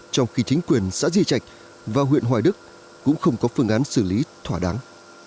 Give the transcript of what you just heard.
trong khi chính quyền xã di trạch và huyện hoài đức cũng không có phương án xử lý thỏa đáng